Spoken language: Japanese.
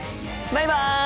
バイバイ！